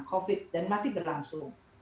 covid dan masih berlangsung